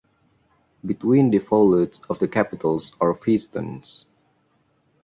Between the volutes of the capitals are festoons.